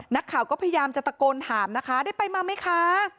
นักข่าวก็พยายามจะตะโกนถามนะคะได้ไปมาไหมคะ